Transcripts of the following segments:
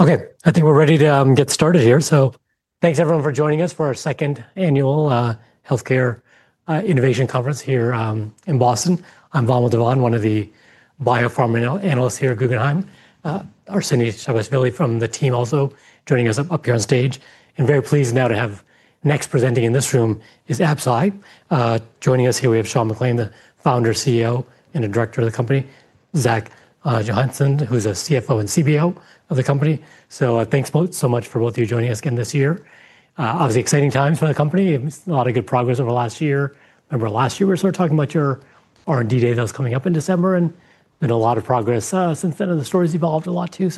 Okay, I think we're ready to get started here. Thanks, everyone, for joining us for our second annual Healthcare Innovation Conference here in Boston. I'm Valmont Devon, one of the Bio pharma analysts here at Guggenheim. Arseniy Sagasvili from the team also joining us up here on stage. Very pleased now to have next presenting in this room is Absci. Joining us here, we have Sean McClain, the Founder, CEO, and the Director of the company, Zach Jonasson, who's a CFO and CBO of the company. Thanks so much for both of you joining us again this year. Obviously, exciting times for the company. A lot of good progress over the last year. Remember last year, we were sort of talking about your R&D Day that was coming up in December, and there's been a lot of progress since then, and the story's evolved a lot too.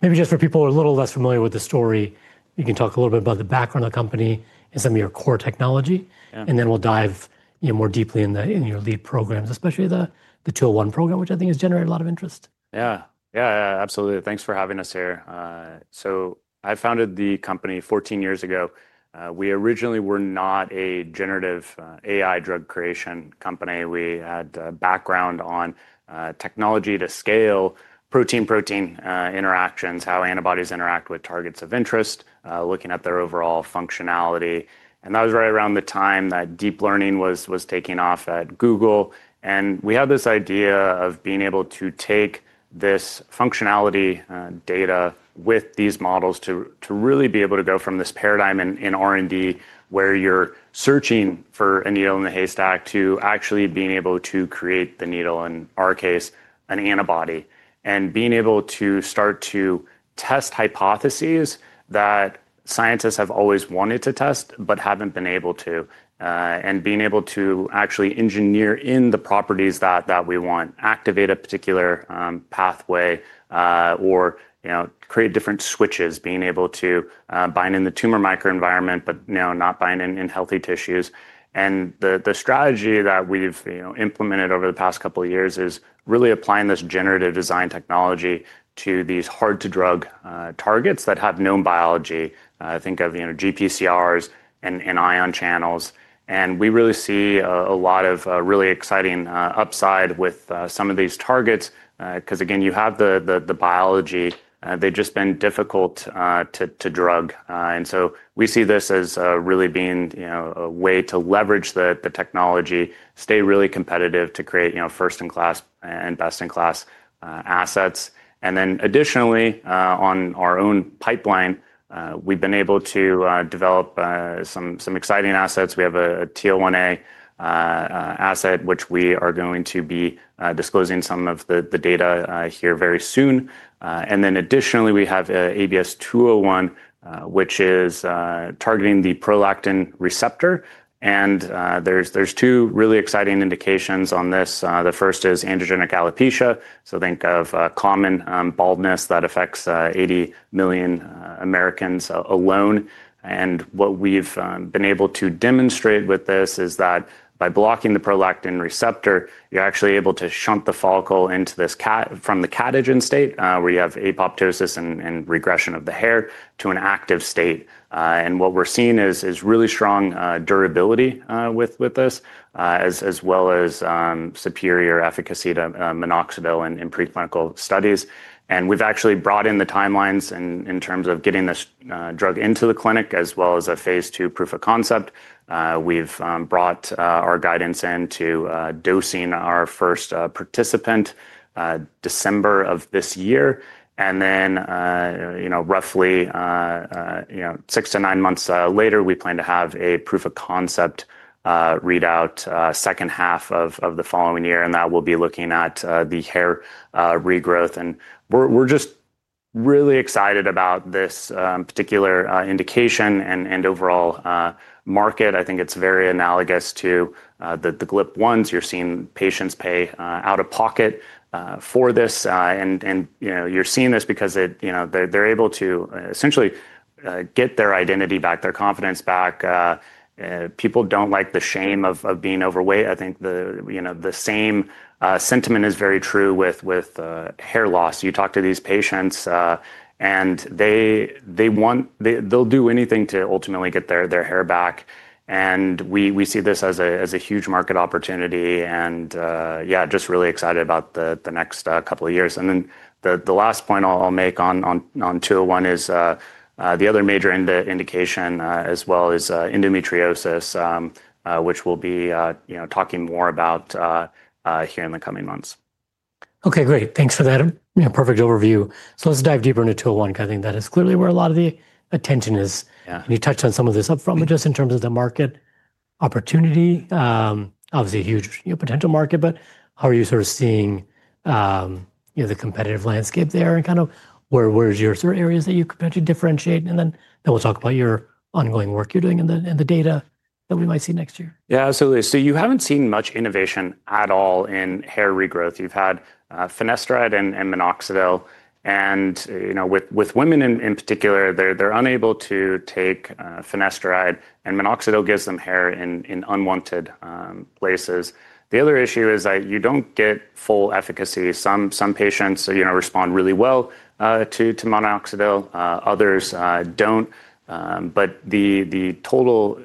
Maybe just for people who are a little less familiar with the story, you can talk a little bit about the background of the company and some of your core technology, and then we'll dive more deeply into your lead programs, especially the 201 program, which I think has generated a lot of interest. Yeah, yeah, absolutely. Thanks for having us here. I founded the company 14 years ago. We originally were not a generative AI drug creation company. We had a background on technology to scale protein-protein interactions, how antibodies interact with targets of interest, looking at their overall functionality. That was right around the time that deep learning was taking off at Google. We had this idea of being able to take this functionality data with these models to really be able to go from this paradigm in R&D, where you're searching for a needle in the haystack, to actually being able to create the needle, in our case, an antibody, and being able to start to test hypotheses that scientists have always wanted to test but haven't been able to, and being able to actually engineer in the properties that we want, activate a particular pathway, or create different switches, being able to bind in the tumor microenvironment but now not bind in healthy tissues. The strategy that we've implemented over the past couple of years is really applying this generative design technology to these hard-to-drug targets that have known biology. Think of GPCRs and ion channels. We really see a lot of really exciting upside with some of these targets, because again, you have the biology. They have just been difficult to drug. We see this as really being a way to leverage the technology, stay really competitive to create first-in-class and best-in-class assets. Additionally, on our own pipeline, we have been able to develop some exciting assets. We have a TL1A asset, which we are going to be disclosing some of the data here very soon. Additionally, we have ABS-201, which is targeting the prolactin receptor. There are two really exciting indications on this. The first is Androgenetic alopecia. Think of common baldness that affects 80 million Americans alone. What we have been able to demonstrate with this is that by blocking the prolactin receptor, you are actually able to shunt the follicle from the catagen state, where you have apoptosis and regression of the hair, to an active state. What we are seeing is really strong durability with this, as well as superior efficacy to minoxidil in preclinical studies. We have actually brought in the timelines in terms of getting this drug into the clinic, as well as a phase two proof of concept. We have brought our guidance into dosing our first participant December of this year. Roughly six to nine months later, we plan to have a proof of concept readout second half of the following year. That will be looking at the hair regrowth. We are just really excited about this particular indication and overall market. I think it is very analogous to the GLP-1s. You're seeing patients pay out of pocket for this. You're seeing this because they're able to essentially get their identity back, their confidence back. People don't like the shame of being overweight. I think the same sentiment is very true with hair loss. You talk to these patients, and they'll do anything to ultimately get their hair back. We see this as a huge market opportunity. I'm just really excited about the next couple of years. The last point I'll make on 201 is the other major indication, as well as endometriosis, which we'll be talking more about here in the coming months. Okay, great. Thanks for that perfect overview. Let's dive deeper into 201, because I think that is clearly where a lot of the attention is. You touched on some of this upfront, but just in terms of the market opportunity, obviously a huge potential market. How are you sort of seeing the competitive landscape there? Where are your sort of areas that you can potentially differentiate? Then we'll talk about your ongoing work you're doing and the data that we might see next year. Yeah, absolutely. You have not seen much innovation at all in hair regrowth. You have had finasteride and minoxidil. With women in particular, they are unable to take finasteride, and minoxidil gives them hair in unwanted places. The other issue is that you do not get full efficacy. Some patients respond really well to minoxidil. Others do not. The total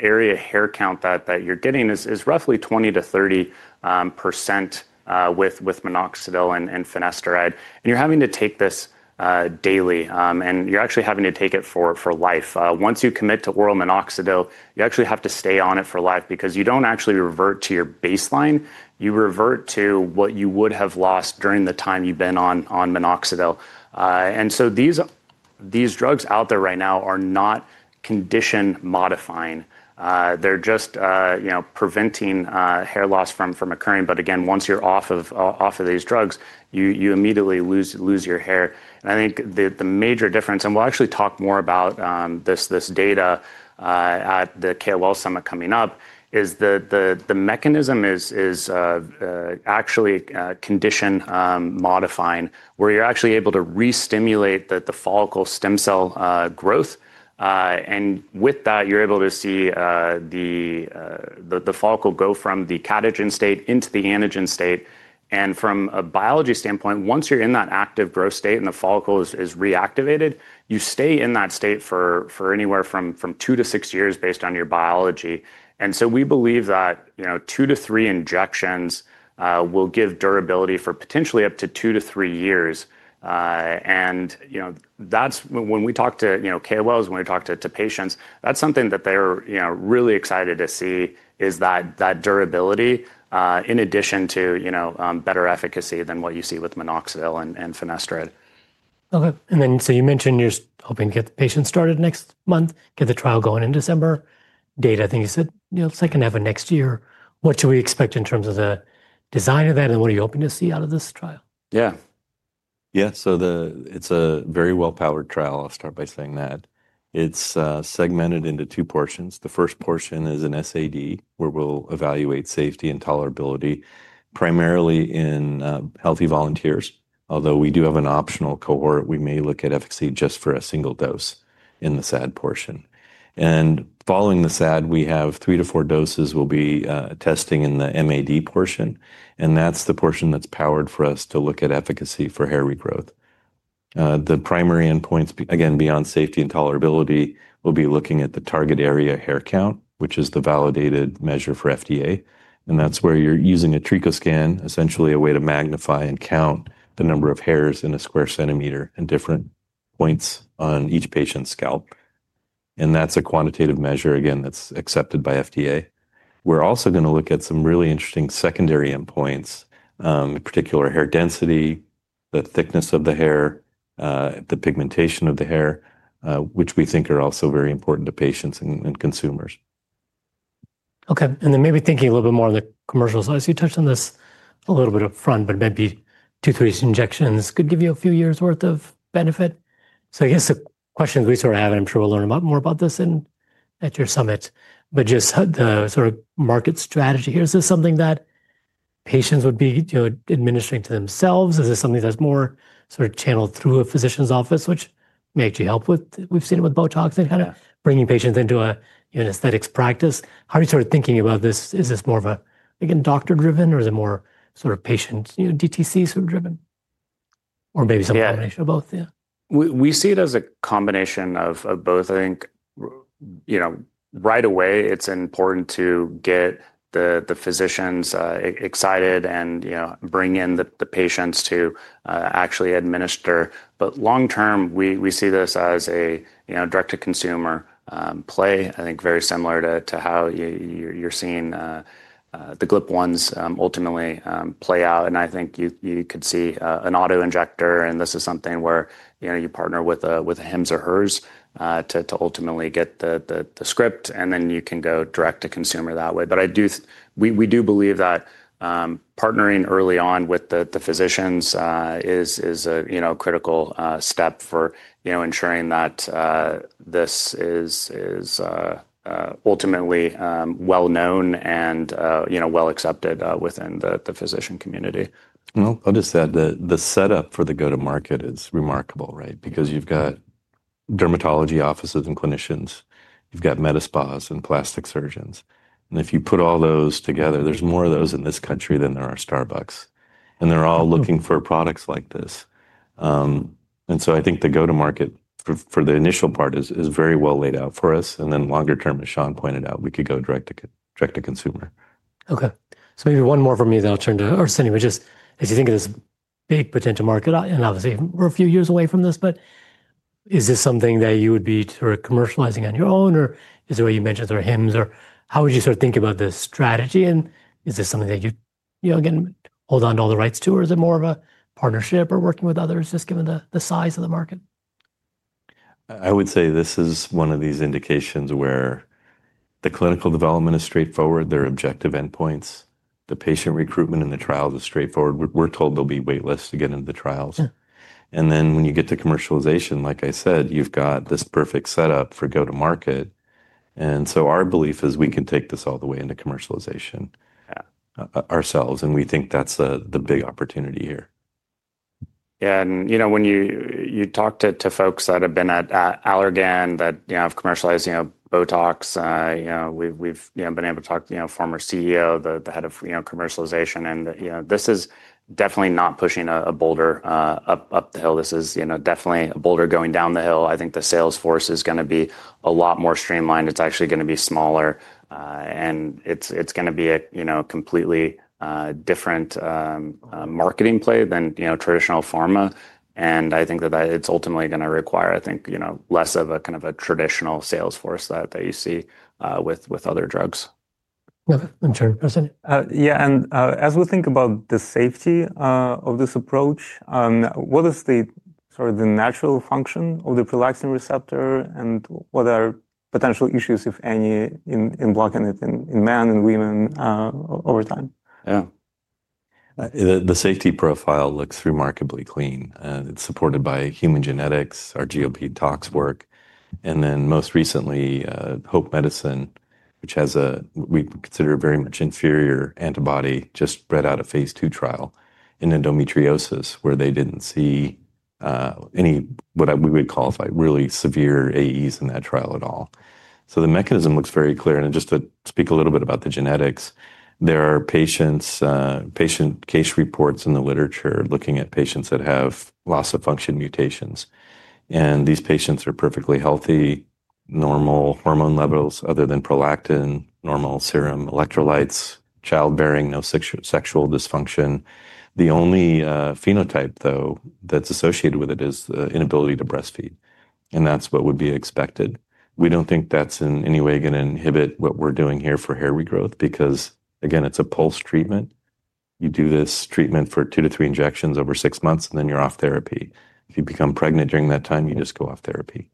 area hair count that you are getting is roughly 20%-30% with minoxidil and finasteride. You are having to take this daily. You are actually having to take it for life. Once you commit to oral minoxidil, you actually have to stay on it for life, because you do not actually revert to your baseline. You revert to what you would have lost during the time you have been on minoxidil. These drugs out there right now are not condition modifying. They are just preventing hair loss from occurring. Again, once you're off of these drugs, you immediately lose your hair. I think the major difference, and we'll actually talk more about this data at the KOL Summit coming up, is the mechanism is actually condition modifying, where you're actually able to restimulate the follicle stem cell growth. With that, you're able to see the follicle go from the catagen state into the anagen state. From a biology standpoint, once you're in that active growth state and the follicle is reactivated, you stay in that state for anywhere from two to six years, based on your biology. We believe that two to three injections will give durability for potentially up to two to three years. When we talk to KOLs, when we talk to patients, that's something that they're really excited to see, is that durability, in addition to better efficacy than what you see with minoxidil and finasteride. Okay. You mentioned you're hoping to get the patients started next month, get the trial going in December. Data, I think you said, looks like another next year. What should we expect in terms of the design of that, and what are you hoping to see out of this trial? Yeah. Yeah, so it's a very well-powered trial. I'll start by saying that. It's segmented into two portions. The first portion is an SAD, where we'll evaluate safety and tolerability, primarily in healthy volunteers. Although we do have an optional cohort, we may look at efficacy just for a single dose in the SAD portion. Following the SAD, we have three to four doses we'll be testing in the MAD portion. That's the portion that's powered for us to look at efficacy for hair regrowth. The primary endpoints, again, beyond safety and tolerability, will be looking at the target area hair count, which is the validated measure for FDA. That's where you're using a TrichoScan, essentially a way to magnify and count the number of hairs in a square centimeter in different points on each patient's scalp. That's a quantitative measure, again, that's accepted by FDA. We're also going to look at some really interesting secondary endpoints, in particular hair density, the thickness of the hair, the pigmentation of the hair, which we think are also very important to patients and consumers. Okay. And then maybe thinking a little bit more on the commercial side, you touched on this a little bit upfront, but maybe two, three injections could give you a few years' worth of benefit. I guess the questions we sort of have, and I'm sure we'll learn more about this at your summit, just the sort of market strategy here, is this something that patients would be administering to themselves? Is this something that's more sort of channeled through a physician's office, which may actually help with, we've seen it with Botox and kind of bringing patients into an aesthetics practice? How are you sort of thinking about this? Is this more of a, again, doctor-driven, or is it more sort of patient DTC sort of driven? Or maybe some combination of both, yeah. We see it as a combination of both. I think right away, it's important to get the physicians excited and bring in the patients to actually administer. Long term, we see this as a direct-to-consumer play, I think very similar to how you're seeing the GLP-1s ultimately play out. I think you could see an auto injector, and this is something where you partner with a Hims & Hers to ultimately get the script, and then you can go direct-to-consumer that way. We do believe that partnering early on with the physicians is a critical step for ensuring that this is ultimately well-known and well-accepted within the physician community. I will just add that the setup for the go-to-market is remarkable, right? Because you have got dermatology offices and clinicians. You have got medispa and plastic surgeons. If you put all those together, there are more of those in this country than there are Starbucks. They are all looking for products like this. I think the go-to-market for the initial part is very well laid out for us. Longer term, as Sean pointed out, we could go direct-to-consumer. Okay. Maybe one more from me that I'll turn to. Anyway, just as you think of this big potential market, and obviously, we're a few years away from this, but is this something that you would be sort of commercializing on your own, or is it where you mentioned there are Hims & Hers, or how would you sort of think about this strategy? Is this something that you, again, hold on to all the rights to, or is it more of a partnership or working with others, just given the size of the market? I would say this is one of these indications where the clinical development is straightforward. There are objective endpoints. The patient recruitment and the trials are straightforward. We're told there'll be waitlists to get into the trials. When you get to commercialization, like I said, you've got this perfect setup for go-to-market. Our belief is we can take this all the way into commercialization ourselves. We think that's the big opportunity here. Yeah. When you talk to folks that have been at Allergan that have commercialized Botox, we've been able to talk to a former CEO, the head of commercialization. This is definitely not pushing a boulder up the hill. This is definitely a boulder going down the hill. I think the sales force is going to be a lot more streamlined. It's actually going to be smaller. It's going to be a completely different marketing play than traditional pharma. I think that it's ultimately going to require, I think, less of a kind of traditional sales force that you see with other drugs. Okay. I'm sure. Yeah. And as we think about the safety of this approach, what is the natural function of the prolactin receptor, and what are potential issues, if any, in blocking it in men and women over time? Yeah. The safety profile looks remarkably clean. It's supported by human genetics, our GLP talks work. And then most recently, Hope Medicine, which has a, we consider a very much inferior antibody, just read out a phase two trial in endometriosis, where they didn't see any what we would call really severe AEs in that trial at all. The mechanism looks very clear. And just to speak a little bit about the genetics, there are patient case reports in the literature looking at patients that have loss of function mutations. These patients are perfectly healthy, normal hormone levels other than prolactin, normal serum electrolytes, childbearing, no sexual dysfunction. The only phenotype, though, that's associated with it is the inability to breastfeed. That's what would be expected. We don't think that's in any way going to inhibit what we're doing here for hair regrowth, because, again, it's a pulse treatment. You do this treatment for two to three injections over six months, and then you're off therapy. If you become pregnant during that time, you just go off therapy.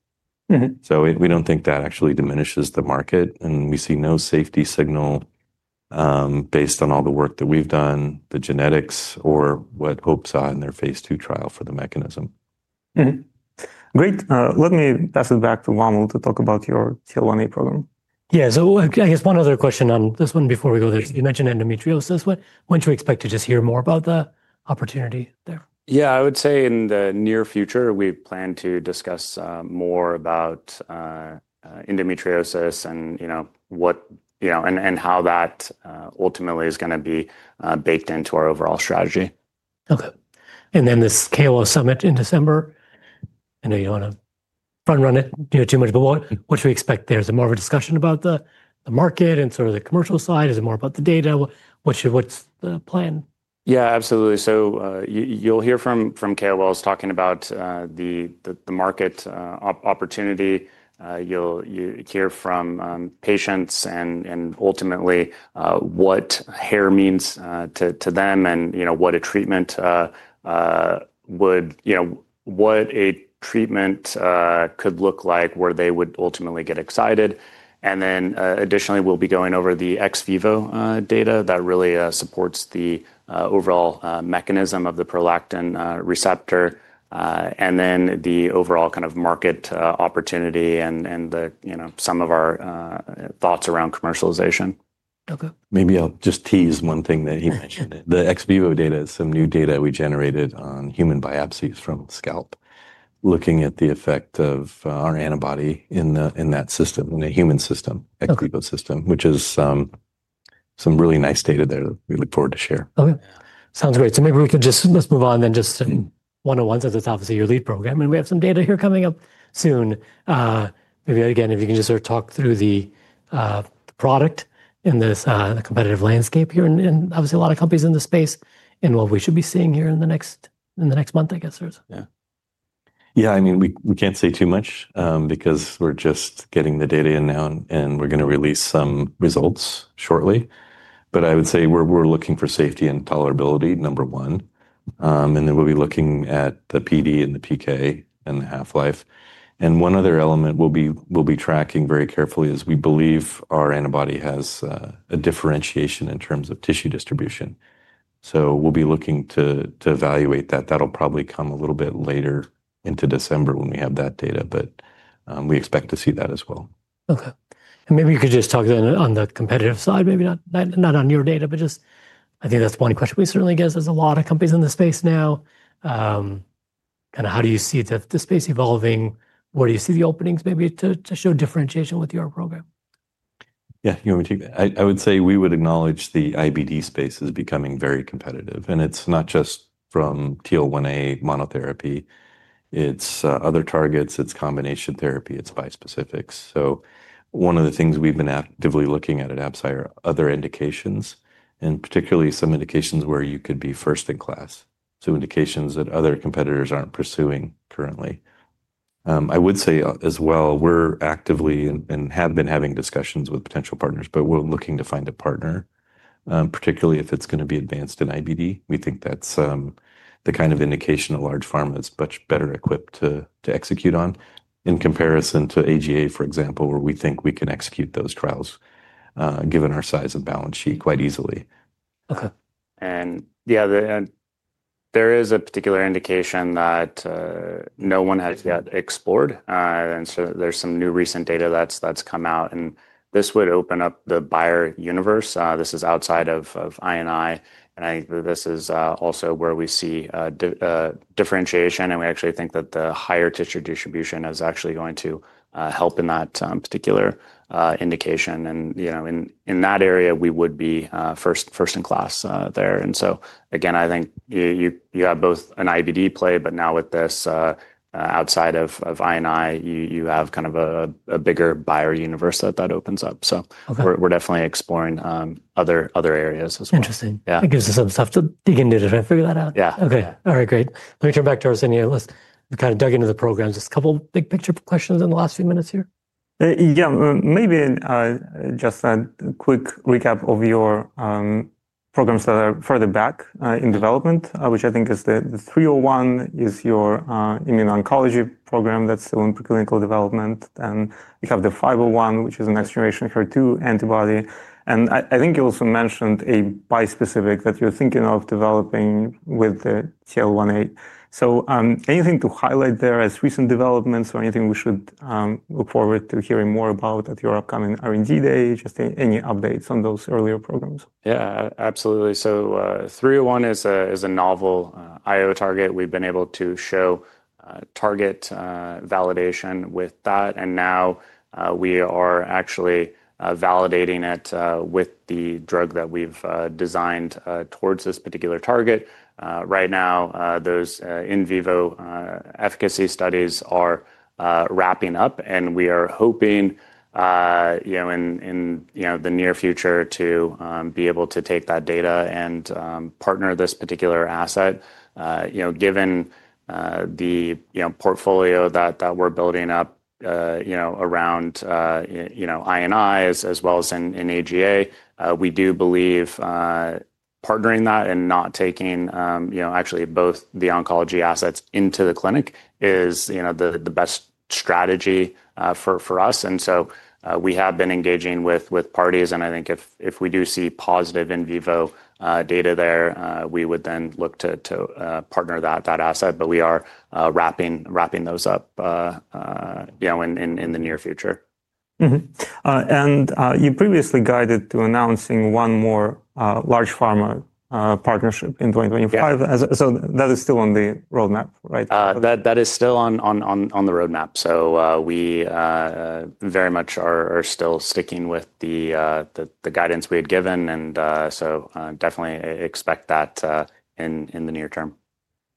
We don't think that actually diminishes the market. We see no safety signal based on all the work that we've done, the genetics, or what Hope Medicine are in their phase two trial for the mechanism. Great. Let me pass it back to Valmont to talk about your KOL-MA program. Yeah. I guess one other question on this one before we go there. You mentioned endometriosis. When do you expect to just hear more about the opportunity there? Yeah, I would say in the near future, we plan to discuss more about endometriosis and how that ultimately is going to be baked into our overall strategy. Okay. And then this KOL Summit in December, I know you don't want to front-run it too much, but what should we expect there? Is there more of a discussion about the market and sort of the commercial side? Is it more about the data? What's the plan? Yeah, absolutely. You'll hear from KOLs talking about the market opportunity. You'll hear from patients and ultimately what hair means to them and what a treatment would, what a treatment could look like where they would ultimately get excited. Additionally, we'll be going over the Ex vivo data that really supports the overall mechanism of the prolactin receptor, and then the overall kind of market opportunity and some of our thoughts around commercialization. Okay. Maybe I'll just tease one thing that he mentioned. The Ex vivo data is some new data we generated on human biopsies from scalp, looking at the effect of our antibody in that system, in a human system, Ex vivo system, which is some really nice data there that we look forward to share. Okay. Sounds great. Maybe we can just move on then just to one-on-ones at the top of your lead program. We have some data here coming up soon. Maybe again, if you can just sort of talk through the product in this competitive landscape here and obviously a lot of companies in the space and what we should be seeing here in the next month, I guess. Yeah. Yeah, I mean, we can't say too much because we're just getting the data in now, and we're going to release some results shortly. I would say we're looking for safety and tolerability, number one. Then we'll be looking at the PD and the PK and the half-life. One other element we'll be tracking very carefully is we believe our antibody has a differentiation in terms of tissue distribution. We'll be looking to evaluate that. That'll probably come a little bit later into December when we have that data, but we expect to see that as well. Okay. Maybe you could just talk then on the competitive side, maybe not on your data, but just I think that's one question we certainly guess there's a lot of companies in the space now. Kind of how do you see the space evolving? Where do you see the openings maybe to show differentiation with your program? Yeah. I would say we would acknowledge the IBD space is becoming very competitive. It's not just from TL1A monotherapy. It's other targets. It's combination therapy. It's bispecifics. One of the things we've been actively looking at at Absci are other indications, and particularly some indications where you could be first in class. Indications that other competitors aren't pursuing currently. I would say as well, we're actively and have been having discussions with potential partners, but we're looking to find a partner, particularly if it's going to be advanced in IBD. We think that's the kind of indication a large pharma is much better equipped to execute on in comparison to AGA, for example, where we think we can execute those trials given our size and balance sheet quite easily. Okay. Yeah, there is a particular indication that no one has yet explored. There is some new recent data that has come out. This would open up the buyer universe. This is outside of INI. I think that this is also where we see differentiation. We actually think that the higher tissue distribution is actually going to help in that particular indication. In that area, we would be first in class there. Again, I think you have both an IBD play, but now with this outside of INI, you have kind of a bigger buyer universe that opens up. We are definitely exploring other areas as well. Interesting. Yeah. It gives us some stuff to dig into to try and figure that out. Yeah. Okay. All right. Great. Let me turn back to our senior list. We've kind of dug into the programs. Just a couple of big picture questions in the last few minutes here. Yeah. Maybe just a quick recap of your programs that are further back in development, which I think is the 301 is your immuno-oncology program that's still in preclinical development. You have the 501, which is a next-generation HER2 antibody. I think you also mentioned a bispecific that you're thinking of developing with the TL1A. Anything to highlight there as recent developments or anything we should look forward to hearing more about at your upcoming R&D Day, just any updates on those earlier programs? Yeah, absolutely. 301 is a novel IO target. We've been able to show target validation with that. We are actually validating it with the drug that we've designed towards this particular target. Right now, those in vivo efficacy studies are wrapping up. We are hoping in the near future to be able to take that data and partner this particular asset. Given the portfolio that we're building up around INI as well as in AGA, we do believe partnering that and not taking actually both the oncology assets into the clinic is the best strategy for us. We have been engaging with parties. I think if we do see positive in vivo data there, we would then look to partner that asset. We are wrapping those up in the near future. You previously guided to announcing one more large pharma partnership in 2025. That is still on the roadmap, right? That is still on the roadmap. We very much are still sticking with the guidance we had given. Definitely expect that in the near term.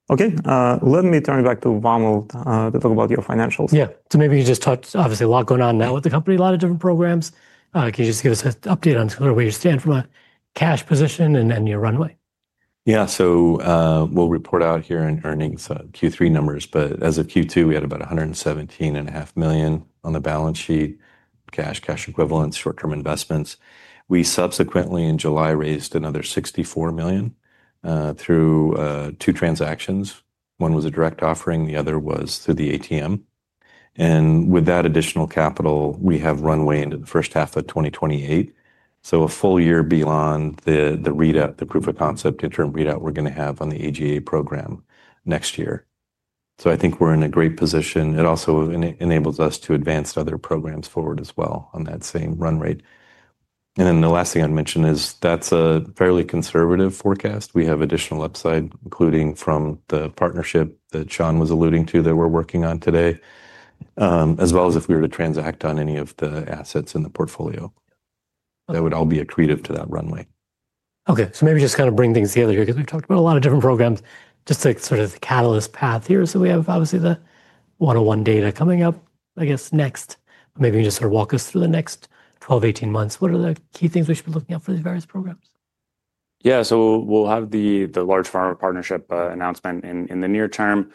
Okay. Let me turn it back to Valmont to talk about your financials. Yeah. Maybe you just talked, obviously, a lot going on now with the company, a lot of different programs. Can you just give us an update on sort of where you stand from a cash position and your runway? Yeah. We'll report out here in earnings Q3 numbers. As of Q2, we had about $117.5 million on the balance sheet, cash equivalents, short-term investments. We subsequently, in July, raised another $64 million through two transactions. One was a direct offering. The other was through the ATM. With that additional capital, we have runway into the first half of 2028. A full year beyond the readout, the proof of concept, interim readout we're going to have on the AGA program next year. I think we're in a great position. It also enables us to advance other programs forward as well on that same run rate. The last thing I'd mention is that's a fairly conservative forecast. We have additional upside, including from the partnership that Sean was alluding to that we're working on today, as well as if we were to transact on any of the assets in the portfolio. That would all be accretive to that runway. Okay. So maybe just kind of bring things together here because we've talked about a lot of different programs. Just to sort of the catalyst path here. So we have obviously the 101 data coming up, I guess, next. Maybe you can just sort of walk us through the next 12-18 months. What are the key things we should be looking out for these various programs? Yeah. So we'll have the large pharma partnership announcement in the near term.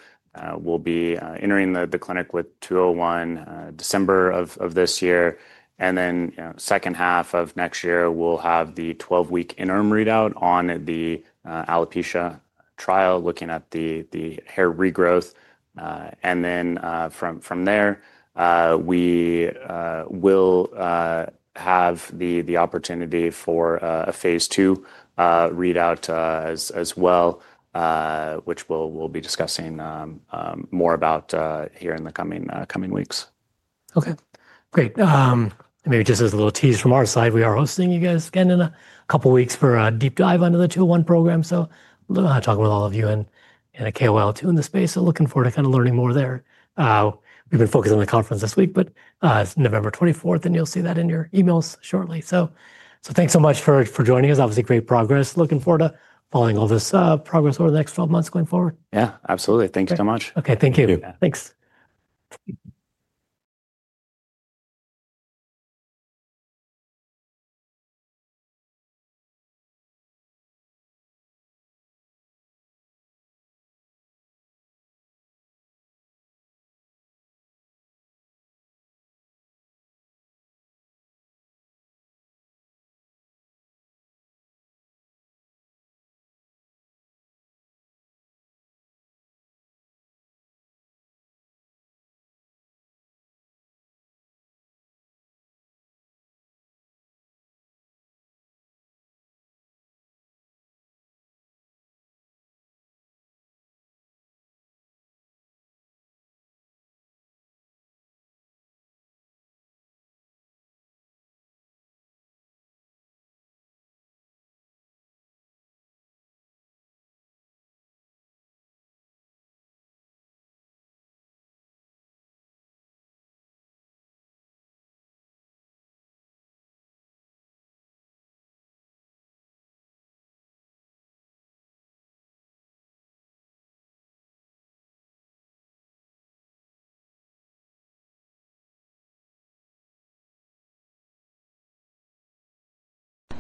We'll be entering the clinic with 201 December of this year. Then second half of next year, we'll have the 12-week interim readout on the alopecia trial looking at the hair regrowth. From there, we will have the opportunity for a phase two readout as well, which we'll be discussing more about here in the coming weeks. Okay. Great. Maybe just as a little tease from our side, we are hosting you guys again in a couple of weeks for a deep dive under the 201 program. So talking with all of you in the KOL too in the space. Looking forward to kind of learning more there. We've been focused on the conference this week, but it's November 24th, and you'll see that in your emails shortly. Thanks so much for joining us. Obviously, great progress. Looking forward to following all this progress over the next 12 months going forward. Yeah, absolutely. Thanks so much. Okay. Thank you. Thanks.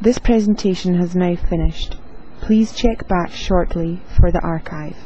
This presentation has now finished. Please check back shortly for the archive.